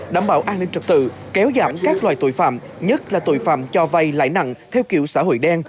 đảm bảo an ninh trật tự kéo giảm các loài tội phạm nhất là tội phạm cho vay lãi nặng theo kiểu xã hội đen